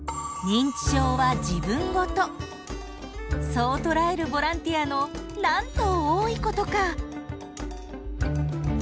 そう捉えるボランティアのなんと多いことか！